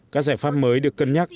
các giải pháp mới được cân nhắc